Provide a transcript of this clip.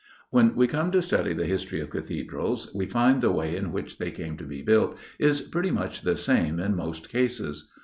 When we come to study the history of Cathedrals, we find the way in which they came to be built is pretty much the same in most cases.